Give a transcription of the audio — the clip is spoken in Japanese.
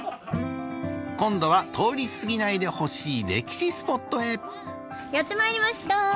今度は通り過ぎないでほしい歴史スポットへやってまいりました。